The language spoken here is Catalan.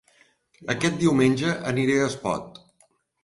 Aquest diumenge aniré a Espot